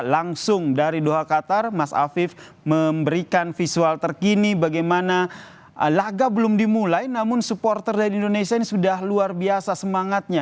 langsung dari doha qatar mas afif memberikan visual terkini bagaimana laga belum dimulai namun supporter dari indonesia ini sudah luar biasa semangatnya